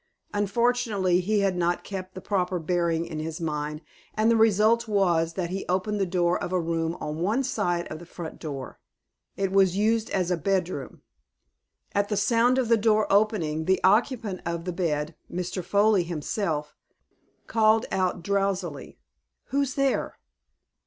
Unfortunately he had not kept the proper bearing in his mind, and the result was, that he opened the door of a room on one side of the front door. It was used as a bedroom. At the sound of the door opening, the occupant of the bed, Mr. Foley himself, called out, drowsily, "Who's there?"